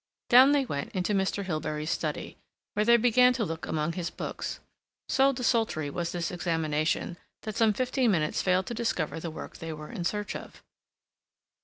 Down they went into Mr. Hilbery's study, where they began to look among his books. So desultory was this examination that some fifteen minutes failed to discover the work they were in search of.